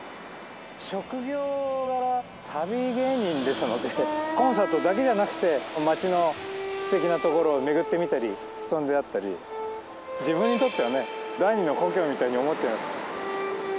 職業柄旅芸人ですのでコンサートだけじゃなくて街のすてきな所を巡ってみたり人に出会ったり自分にとってはね第二の故郷みたいに思っちゃいます。